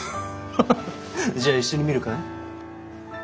へへじゃ一緒に見るかい？